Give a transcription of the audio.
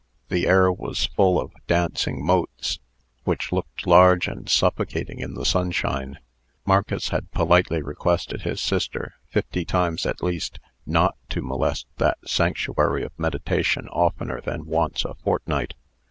The air was full of dancing motes, which looked large and suffocating in the sunshine. Marcus had politely requested his sister, fifty times at least, not to molest that sanctuary of meditation oftener than once a fortnight.